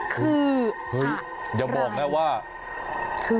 คืออะไรคือไปดูค่ะคืออะไรอย่าบอกแน่ว่าคือ